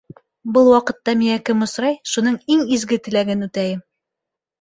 Был ваҡытта миңә кем осрай, шуның иң изге теләген үтәйем.